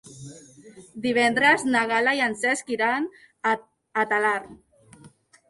Divendres na Gal·la i en Cesc iran a Talarn.